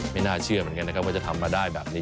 ไม่น่าเชื่อเหมือนกันนะครับว่าจะทำมาได้แบบนี้